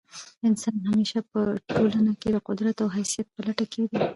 انسان همېشه په ټولنه کښي د قدرت او حیثیت په لټه کښي دئ.